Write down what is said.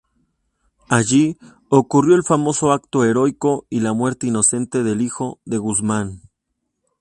Allí ocurrió el famoso acto heroico y la muerte inocente del hijo de Guzmán.